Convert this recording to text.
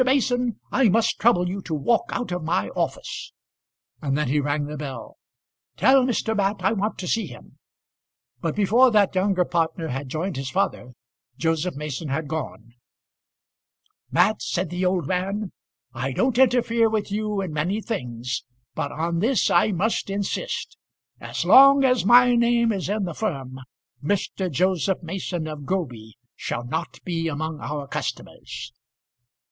Mason, I must trouble you to walk out of my office." And then he rang the bell. "Tell Mr. Mat I want to see him." But before that younger partner had joined his father Joseph Mason had gone. "Mat," said the old man, "I don't interfere with you in many things, but on this I must insist. As long as my name is in the firm Mr. Joseph Mason of Groby shall not be among our customers."